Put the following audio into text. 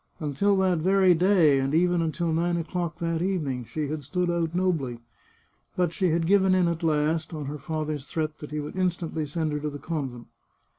Until that very day, and even until nine o'clock that evening, she had stood out nobly. But she had given in at last, on her father's threat that he would instantly send her to the convent.